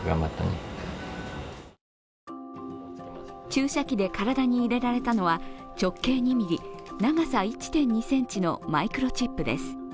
注射器で体に入れられたのは直径２ｍｍ、長さ１．２ｃｍのマイクロチップです。